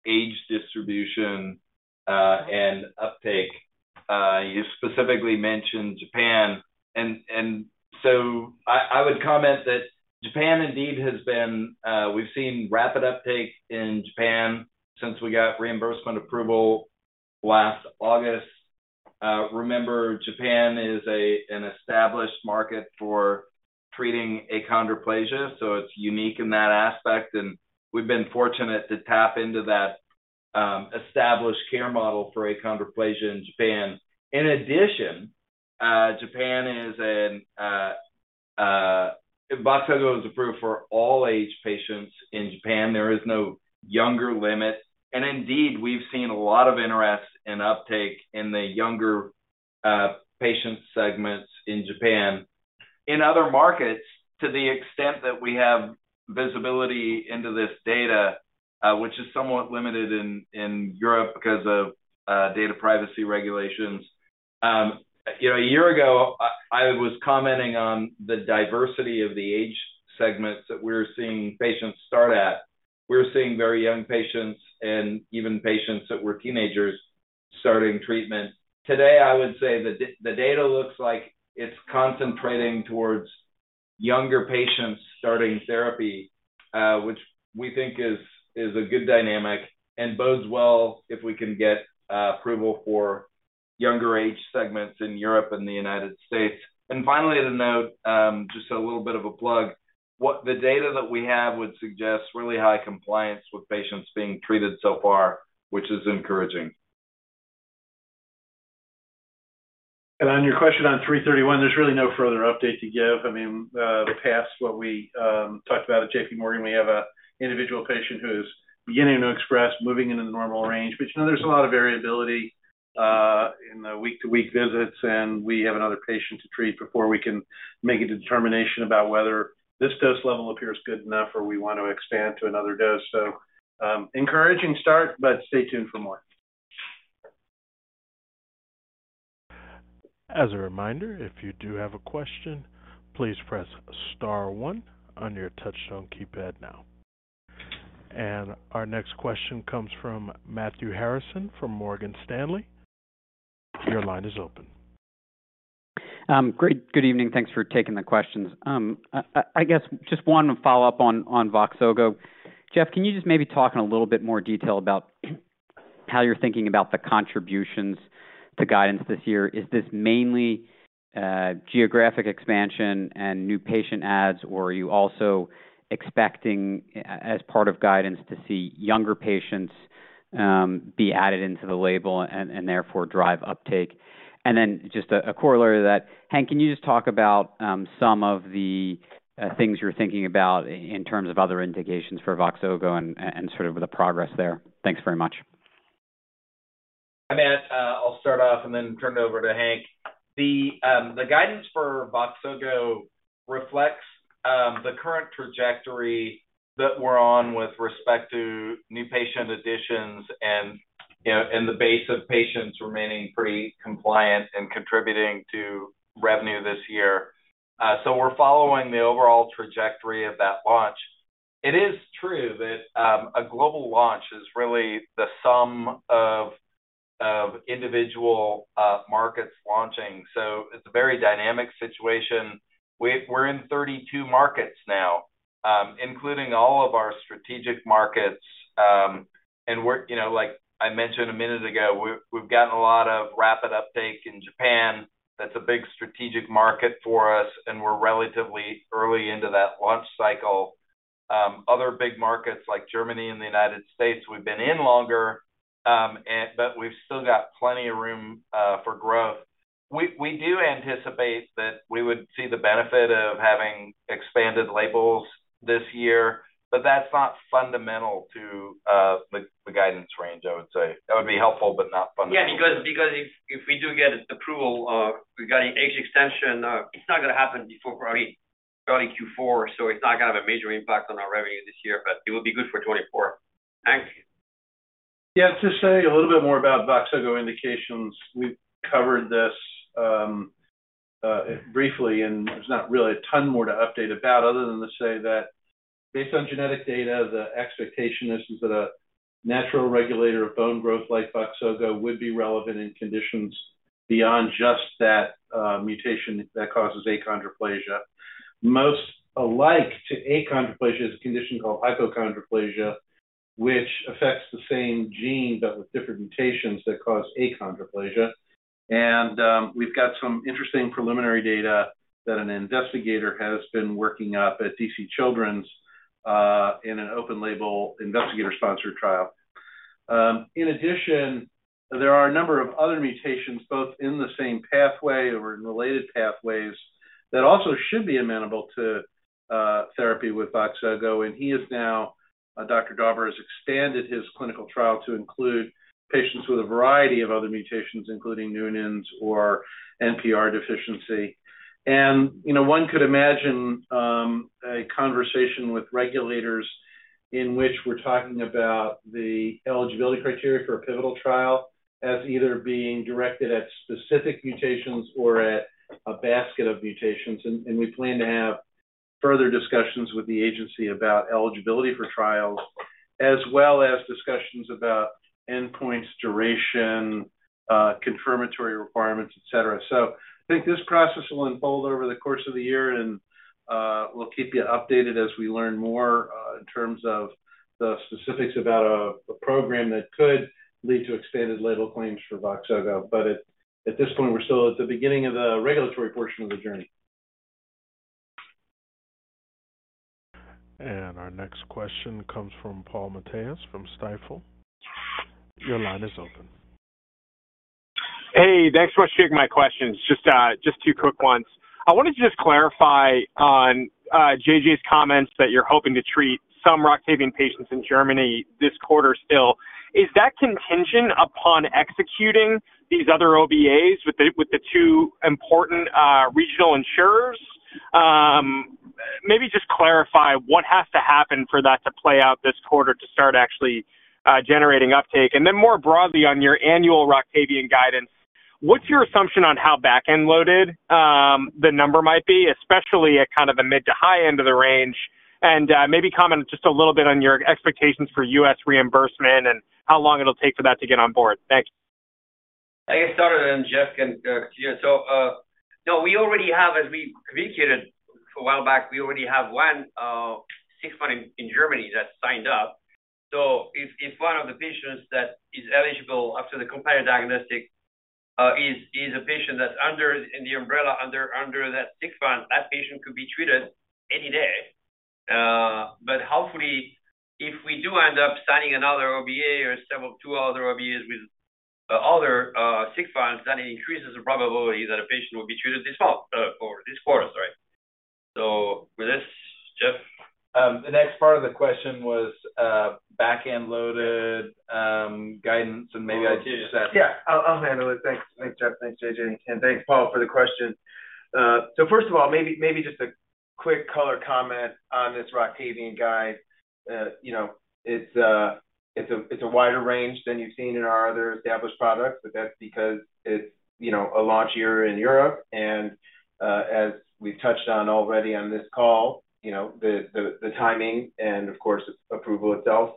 D: age distribution and uptake. You specifically mentioned Japan. I would comment that Japan indeed, we've seen rapid uptake in Japan since we got reimbursement approval last August. Remember, Japan is an established market for treating achondroplasia, so it's unique in that aspect, and we've been fortunate to tap into that established care model for achondroplasia in Japan. In addition, VOXZOGO is approved for all age patients in Japan. There is no younger limit. Indeed, we've seen a lot of interest and uptake in the younger patient segments in Japan. In other markets, to the extent that we have visibility into this data, which is somewhat limited in Europe because of data privacy regulations. You know, a year ago, I was commenting on the diversity of the age segments that we're seeing patients start at. We're seeing very young patients and even patients that were teenagers starting treatment. Today, I would say the data looks like it's concentrating towards younger patients starting therapy, which we think is a good dynamic and bodes well if we can get approval for younger age segments in Europe and the United States. Finally, to note, just a little bit of a plug. What the data that we have would suggest really high compliance with patients being treated so far, which is encouraging.
C: On your question on BMN 331, there's really no further update to give. I mean, the past what we talked about at JPMorgan, we have a individual patient who's beginning to express moving into the normal range. You know, there's a lot of variability in the week-to-week visits, and we have another patient to treat before we can make a determination about whether this dose level appears good enough or we want to expand to another dose. Encouraging start, but stay tuned for more.
A: As a reminder, if you do have a question, please press star one on your touchtone keypad now. Our next question comes from Matthew Harrison from Morgan Stanley. Your line is open.
N: Great. Good evening. Thanks for taking the questions. I guess just wanted to follow up on Voxzogo. Jeff, can you just maybe talk in a little bit more detail about how you're thinking about the contributions to guidance this year? Is this mainly geographic expansion and new patient adds, or are you also expecting as part of guidance to see younger patients be added into the label and therefore drive uptake? Then just a corollary to that, Hank, can you just talk about some of the things you're thinking about in terms of other indications for Voxzogo and sort of the progress there? Thanks very much.
D: Hi, Matt. I'll start off and then turn it over to Hank. The guidance for VOXZOGO reflects the current trajectory that we're on with respect to new patient additions and, you know, and the base of patients remaining pretty compliant and contributing to revenue this year. We're following the overall trajectory of that launch. It is true that a global launch is really the sum of individual markets launching. It's a very dynamic situation. We're in 32 markets now, including all of our strategic markets. You know, like I mentioned a minute ago, we've gotten a lot of rapid uptake in Japan. That's a big strategic market for us, and we're relatively early into that launch cycle. Other big markets like Germany and the United States, we've been in longer, but we've still got plenty of room for growth. We do anticipate that we would see the benefit of having expanded labels this year, but that's not fundamental to the guidance range, I would say. That would be helpful, but not fundamental.
C: Yeah. Because if we do get approval, regarding age extension, it's not gonna happen before probably Q4. It's not gonna have a major impact on our revenue this year, but it will be good for 2024. Hank?
D: Yeah. To say a little bit more about VOXZOGO indications, we've covered this briefly. There's not really a ton more to update about other than to say that based on genetic data, the expectation is that a natural regulator of bone growth like VOXZOGO would be relevant in conditions beyond just that mutation that causes achondroplasia.
J: Most alike to achondroplasia is a condition called hypochondroplasia, which affects the same gene, but with different mutations that cause achondroplasia. We've got some interesting preliminary data that an investigator has been working up at D.C. Children's, in an open-label investigator-sponsored trial. In addition, there are a number of other mutations, both in the same pathway or in related pathways, that also should be amenable to therapy with VOXZOGO. He is now, Dr. Dauber has expanded his clinical trial to include patients with a variety of other mutations, including Noonan syndrome or NPR deficiency. You know, one could imagine a conversation with regulators in which we're talking about the eligibility criteria for a pivotal trial as either being directed at specific mutations or at a basket of mutations. We plan to have further discussions with the agency about eligibility for trials, as well as discussions about endpoints, duration, confirmatory requirements, et cetera. I think this process will unfold over the course of the year, and we'll keep you updated as we learn more, in terms of the specifics about a program that could lead to expanded label claims for VOXZOGO. At this point, we're still at the beginning of the regulatory portion of the journey.
A: Our next question comes from Paul Matteis from Stifel. Your line is open.
O: Hey, thanks for taking my questions. Just two quick ones. I wanted to just clarify on J.J.'s comments that you're hoping to treat some ROCTAVIAN patients in Germany this quarter still. Is that contingent upon executing these other OBAs with the two important regional insurers? Maybe just clarify what has to happen for that to play out this quarter to start actually generating uptake. Then more broadly on your annual ROCTAVIAN guidance, what's your assumption on how back-end loaded the number might be, especially at kind of the mid to high end of the range? Maybe comment just a little bit on your expectations for U.S. reimbursement and how long it'll take for that to get on board. Thanks.
C: I guess, start it, Jeff can chime in. No, we already have, as we communicated a while back, we already have 1 sick fund in Germany that's signed up. If 1 of the patients that is eligible after the companion diagnostic is a patient that's under in the umbrella under that sick fund, that patient could be treated any day. Hopefully, if we do end up signing another OBA or several 2 other OBAs with other sick funds, that increases the probability that a patient will be treated this month or this quarter, right? With this, Jeff.
J: The next part of the question was back-end loaded guidance and.
C: Oh, yeah.
J: Yeah, I'll handle it. Thanks, Jeff. Thanks, JJ. Thanks, Paul, for the question. First of all, just a quick color comment on this ROCTAVIAN guide. You know, it's a wider range than you've seen in our other established products, but that's because it's, you know, a launch year in Europe. As we've touched on already on this call, you know, the timing and of course, approval itself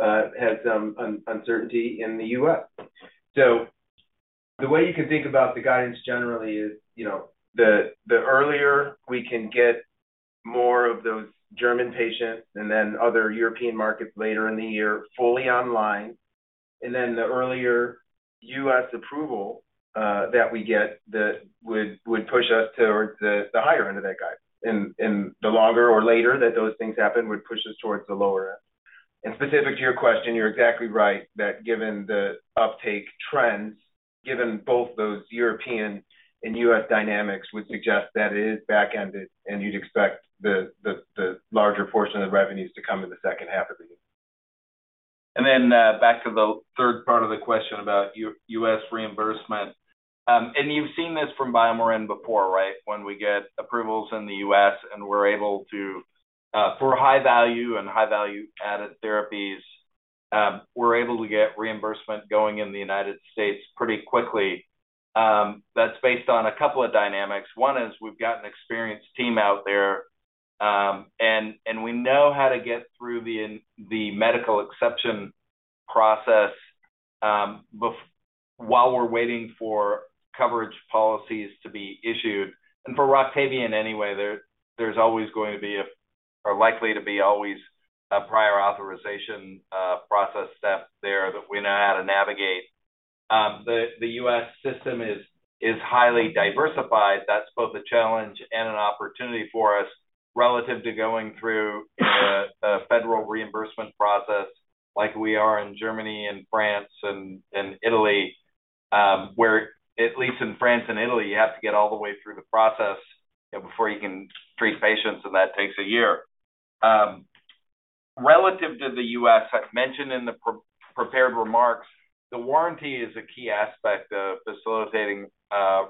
J: has some uncertainty in the U.S. The way you can think about the guidance generally is, you know, the earlier we can get more of those German patients and then other European markets later in the year fully online, and then the earlier U.S. approval that we get that would push us towards the higher end of that guide. The longer or later that those things happen would push us towards the lower end. Specific to your question, you're exactly right that given the uptake trends, given both those European and U.S. dynamics would suggest that it is back-ended, and you'd expect the larger portion of revenues to come in the second half of the year. Then back to the third part of the question about U.S. reimbursement. You've seen this from BioMarin before, right? When we get approvals in the U.S., and we're able to, for high value and high value added therapies, we're able to get reimbursement going in the United States pretty quickly. That's based on a couple of dynamics. One is we've got an experienced team out there, and we know how to get through the medical exception process while we're waiting for coverage policies to be issued. For ROCTAVIAN anyway, there's likely to be always a prior authorization process step there that we know how to navigate. The US system is highly diversified. That's both a challenge and an opportunity for us relative to going through, you know, the federal reimbursement process like we are in Germany and France and Italy, where at least in France and Italy, you have to get all the way through the process, you know, before you can treat patients, and that takes a year. Relative to the U.S., as mentioned in the pre-prepared remarks, the warranty is a key aspect of facilitating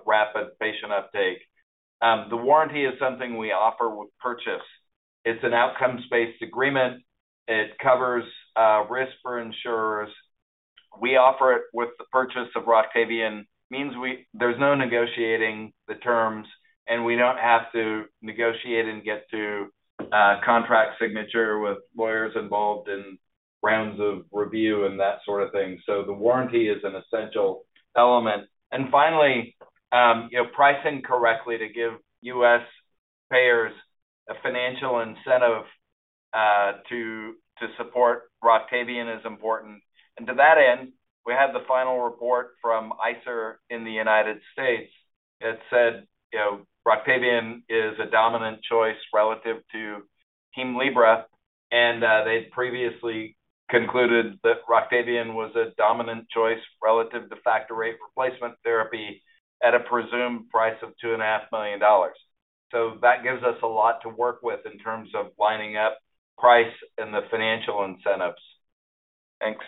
J: rapid patient uptake. The warranty is something we offer with purchase. It's an outcomes-based agreement. It covers risk for insurers. We offer it with the purchase of ROCTAVIAN. There's no negotiating the terms, and we don't have to negotiate and get to contract signature with lawyers involved in rounds of review and that sort of thing. The warranty is an essential element. Finally, you know, pricing correctly to give U.S. payers a financial incentive to support ROCTAVIAN is important. To that end, we had the final report from ICER in the United States. It said, you know, ROCTAVIAN is a dominant choice relative to Hemlibra, they previously concluded that ROCTAVIAN was a dominant choice relative to Factor VIII replacement therapy at a presumed price of two and a half million dollars. That gives us a lot to work with in terms of lining up price and the financial incentives. Thanks.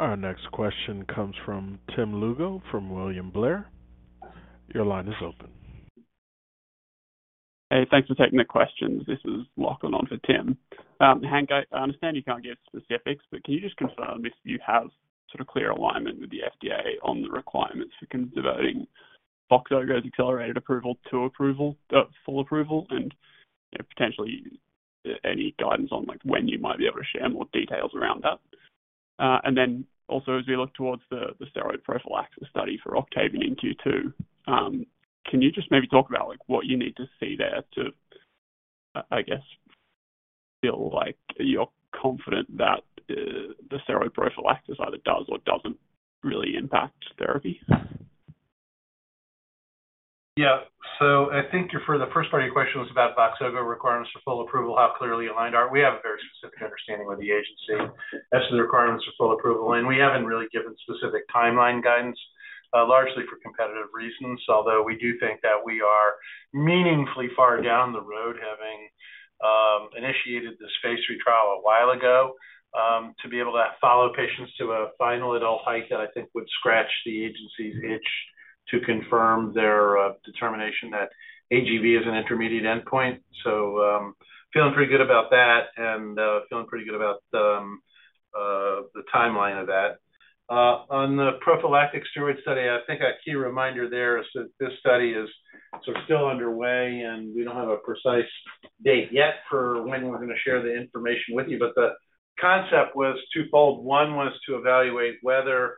A: Our next question comes from Tim Lugo from William Blair. Your line is open.
P: Hey, thanks for taking the questions. This is Lachlan on for Tim. Hank, I understand you can't give specifics, but can you just confirm if you have sort of clear alignment with the FDA on the requirements for converting VOXZOGO's accelerated approval to approval, full approval, and, you know, potentially any guidance on, like, when you might be able to share more details around that? Also, as we look towards the steroid prophylaxis study for ROCTAVIAN in Q2, can you just maybe talk about, like, what you need to see there to, I guess, feel like you're confident that the steroid prophylaxis either does or doesn't really impact therapy?
Q: Yeah. I think for the first part of your question was about VOXZOGO requirements for full approval, how clearly aligned are we? We have a very specific understanding with the agency as to the requirements for full approval, and we haven't really given specific timeline guidance, largely for competitive reasons, although we do think that we are meaningfully far down the road, having initiated this phase three trial a while ago, to be able to follow patients to a final adult height that I think would scratch the agency's itch to confirm their determination that FVIII is an intermediate endpoint. feeling pretty good about that and feeling pretty good about the timeline of that.
J: On the prophylactic steroid study, I think a key reminder there is that this study is sort of still underway, and we don't have a precise date yet for when we're gonna share the information with you. The concept was twofold. One was to evaluate whether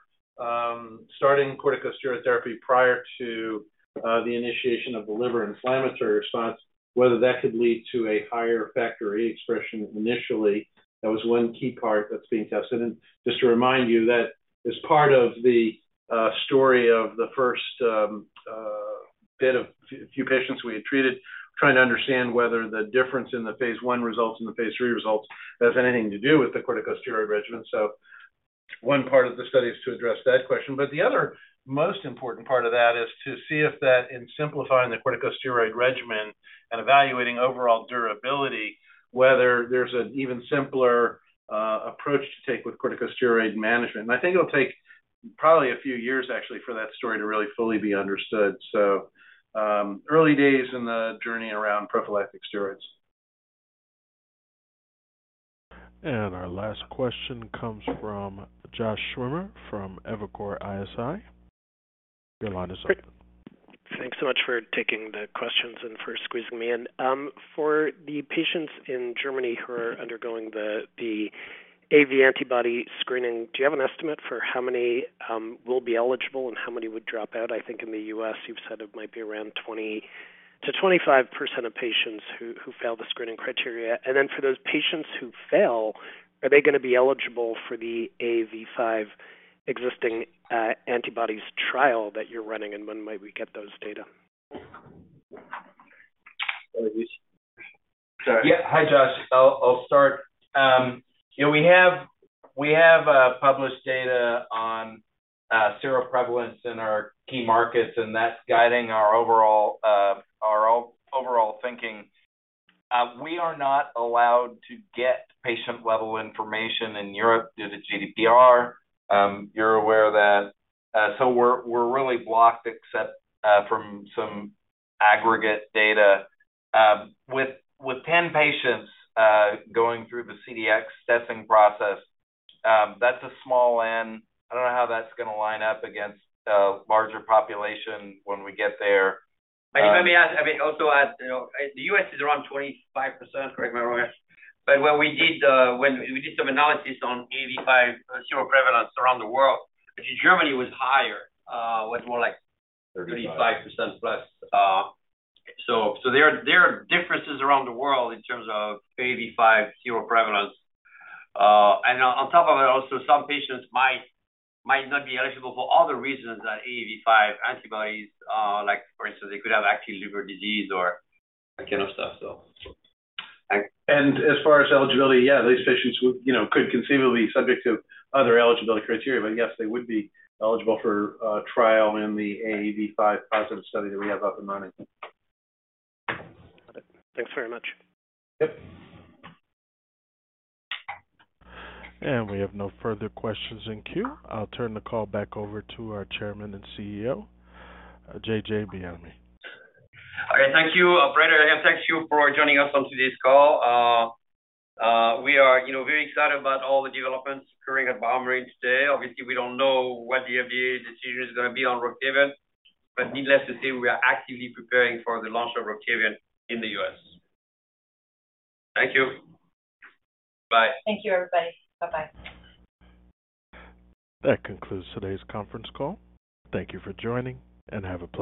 J: starting corticosteroid therapy prior to the initiation of the liver inflammatory response, whether that could lead to a higher Factor VIII expression initially. That was one key part that's being tested. Just to remind you that as part of the story of the first bit of few patients we had treated, trying to understand whether the difference in the phase 1 results and the phase 3 results has anything to do with the corticosteroid regimen. One part of the study is to address that question. The other most important part of that is to see if that, in simplifying the corticosteroid regimen and evaluating overall durability, whether there's an even simpler approach to take with corticosteroid management. I think it'll take probably a few years actually for that story to really fully be understood. Early days in the journey around prophylactic steroids.
A: Our last question comes from Josh Schimmer from Evercore ISI. Your line is open.
R: Thanks so much for taking the questions and for squeezing me in. For the patients in Germany who are undergoing the AAV antibody screening, do you have an estimate for how many will be eligible and how many would drop out? I think in the U.S. you've said it might be around 20%-25% of patients who fail the screening criteria. For those patients who fail, are they gonna be eligible for the AAV5 existing antibodies trial that you're running? When might we get those data?
J: Yeah. Hi, Josh. I'll start. You know, we have published data on seroprevalence in our key markets, that's guiding our overall thinking. We are not allowed to get patient-level information in Europe due to GDPR. You're aware of that. We're really blocked except from some aggregate data. With 10 patients going through the CDx testing process, that's a small end. I don't know how that's gonna line up against a larger population when we get there.
C: Maybe let me ask, I mean, also add, you know, the U.S. is around 25%, correct me if I'm wrong. When we did some analysis on AAV5 seroprevalence around the world, Germany was higher, was more like.
J: Thirty-five.
C: 35% plus. There are differences around the world in terms of AAV5 seroprevalence. And on top of it, also, some patients might not be eligible for other reasons than AAV5 antibodies. Like for instance, they could have active liver disease or that kind of stuff, so.
J: As far as eligibility, yeah, these patients would, you know, could conceivably be subject to other eligibility criteria, but yes, they would be eligible for a trial in the AAV5 positive study that we have up and running.
R: Got it. Thanks very much.
J: Yep.
A: We have no further questions in queue. I'll turn the call back over to our Chairman and CEO, JJ Bienaimé.
C: All right. Thank you, operator, and thank you for joining us on today's call. We are, you know, very excited about all the developments occurring at BioMarin today. Obviously, we don't know what the FDA decision is gonna be on ROCTAVIAN, but needless to say, we are actively preparing for the launch of ROCTAVIAN in the U.S. Thank you. Bye.
P: Thank you, everybody. Bye-bye.
A: That concludes today's conference call. Thank you for joining, and have a great day.